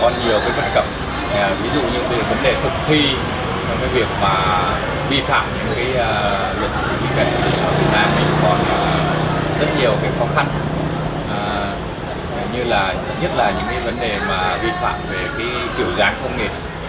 nhiều khó khăn nhất là những vấn đề vi phạm về kiểu dáng công nghệ